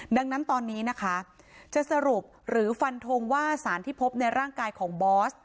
ดังนั้นตอนนี้นะคะจะสรุปหรือฟันทงว่าสารที่พบในร่างกายของบอส